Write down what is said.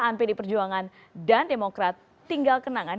anpedi perjuangan dan demokrat tinggal kenangan